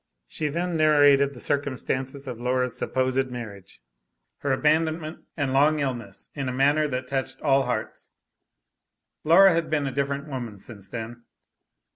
She then narrated the circumstances of Laura's supposed marriage, her abandonment and long illness, in a manner that touched all hearts. Laura had been a different woman since then.